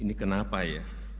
ini kenapa ya